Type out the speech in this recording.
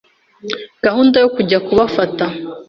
gahund yo kujya kubafata